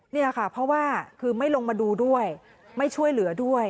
นี่ค่ะเพราะว่าคือไม่ลงมาดูด้วยไม่ช่วยเหลือด้วย